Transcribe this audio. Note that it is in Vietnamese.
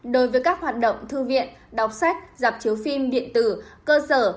đối với các hoạt động thư viện đọc sách giảm chiếu phim điện tử cơ sở